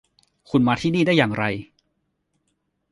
คุณมาที่นี่ได้อย่างไร ?